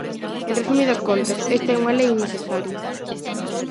En resumidas contas, esta é unha lei innecesaria.